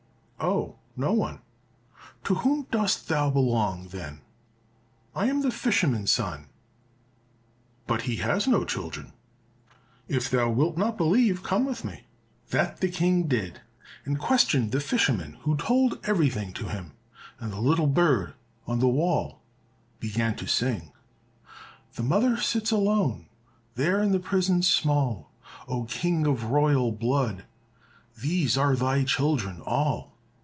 "Oh, no one." "To whom dost thou belong, then?" "I am the fisherman's son." "But he has no children." "If thou wilt not believe, come with me." That the King did, and questioned the fisherman, who told everything to him, and the little bird on the wall began to sing, "The mother sits alone There in the prison small, O King of royal blood, These are thy children all.